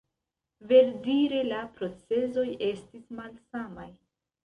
Verdire, la procezoj estis malsamaj.